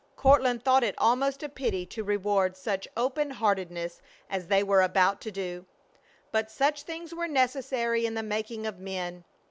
Courtland thought it almost a pity to reward such open heartedness as they were about to do; but such things were necessary in the making of men.